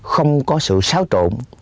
không có sự xáo trộn